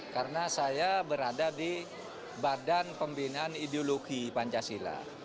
karena saya berada di badan pembinaan ideologi pancasila